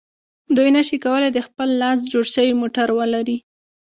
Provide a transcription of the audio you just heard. دوی نشي کولای د خپل لاس جوړ شوی موټر ولري.